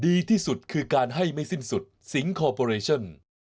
ดีที่สุดคือการให้ไม่สิ้นสุดสิงคอร์ปอเรชั่น